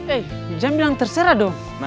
eh jam bilang terserah dong